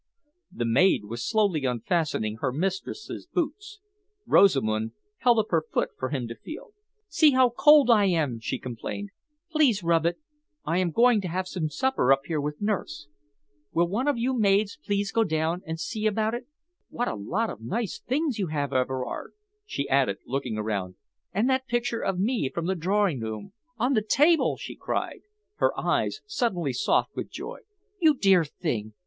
The maid was slowly unfastening her mistress's boots. Rosamund held up her foot for him to feel. "See how cold I am!" she complained. "Please rub it. I am going to have some supper up here with nurse. Will one of you maids please go down and see about it? What a lot of nice new things you have, Everard!" she added, looking around. "And that picture of me from the drawing room, on the table!" she cried, her eyes suddenly soft with joy. "You dear thing!